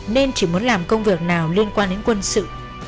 nên chỉ muốn làm công việc nào liên quan đến quân sự